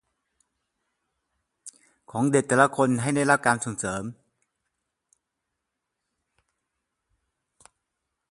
ของเด็กแต่ละคนให้ได้รับการส่งเสริม